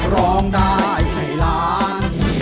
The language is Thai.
ร้องได้ให้ล้าน